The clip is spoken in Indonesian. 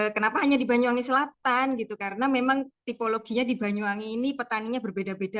kenapa hanya di banyuwangi selatan gitu karena memang tipologinya di banyuwangi ini petaninya berbeda beda